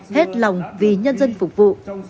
hết lòng vì nhân dân phục vụ